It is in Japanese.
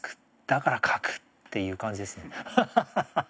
だから描くっていう感じですね。